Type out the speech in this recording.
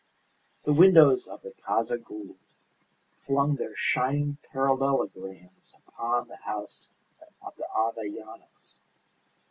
The windows of the Casa Gould flung their shining parallelograms upon the house of the Avellanos.